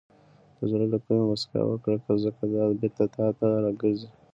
• د زړه له کومې موسکا وکړه، ځکه دا بېرته تا ته راګرځي.